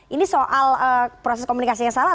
ini soal proses komunikasi yang salah